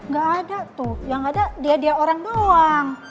gak ada tuh yang ada dia dia orang doang